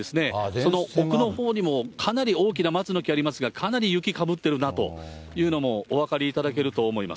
その奥のほうにもかなり大きな松の木がありますが、かなり雪かぶってるなというのもお分かりいただけると思います。